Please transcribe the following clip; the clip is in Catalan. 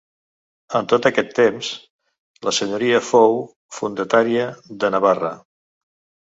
En tot aquest temps la senyoria fou feudatària de Navarra.